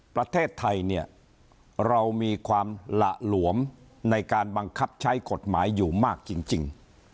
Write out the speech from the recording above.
ประเทศไทยเนี่ยเรามีความหละหลวมในการบังคับใช้กฎหมายอยู่มากจริง